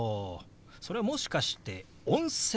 それはもしかして「温泉」？